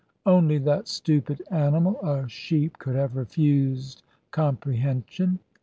Only that stupid animal, a sheep, could have refused comprehension.